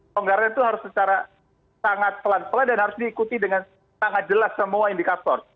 pelonggaran itu harus secara sangat pelan pelan dan harus diikuti dengan sangat jelas semua indikator